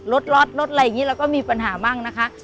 รถล็อตรถอะไรอย่างนี้เราก็มีปัญหาบ้างนะคะ